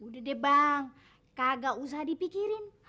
udah deh bang kagak usah dipikirin